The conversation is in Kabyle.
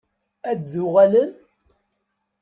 Ad d-uɣalen?